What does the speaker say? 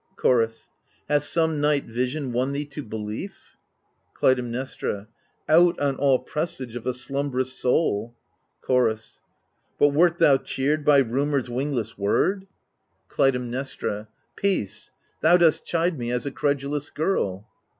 Chorus Hath some night vision won thee to belief? Clytemnestra Out on all presage of a slumberous soul I Chorus But wert thou cheered by Rumour's wingless word ? AGAMEMNON 15 Clytemnestra Peace — thou dost chide me as a credulous girl.